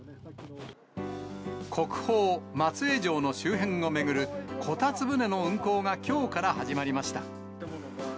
国宝、松江城の周辺を巡る、こたつ船の運航がきょうから始まりました。